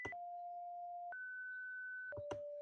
Una vez electo, el político, en ocasiones, las incumple.